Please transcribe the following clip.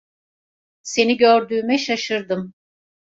Seni gördüğüme şaşırdım.